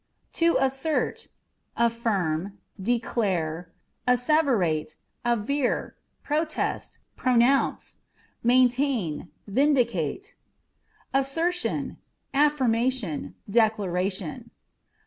To Assert â€" affirm, declare, asseverate, aver, protest, pronounce ; maintain, vindicate. Assertion â€" affirmation, declaration.